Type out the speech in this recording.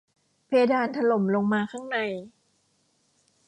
เพดานถล่มลงมาข้างใน